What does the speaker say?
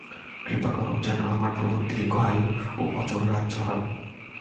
কৃপা কর যেন আমার প্রভুর দীর্ঘ আয়ু ও অচল রাজ্য হয়।